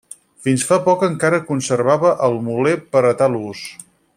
Fins fa poc encara conservava el moler per a tal ús.